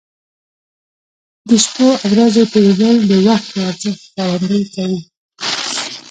د شپو او ورځو تېرېدل د وخت د ارزښت ښکارندوي کوي.